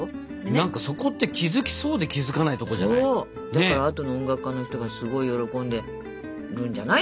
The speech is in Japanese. だからあとの音楽家の人がすごい喜んでるんじゃない？